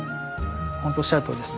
ほんとおっしゃるとおりです。